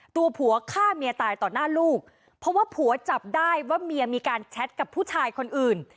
ตัวผัวฆ่าเมียตายต่อหน้าลูกเพราะว่าผัวจับได้ว่าเมียมีการแชทกับผู้ชายคนอื่น